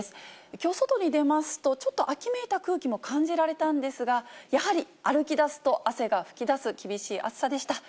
きょう、外に出ますと、ちょっと秋めいた空気も感じられたんですが、やはり歩きだすと汗が噴き出す厳しい暑さでした。